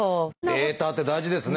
データって大事ですね。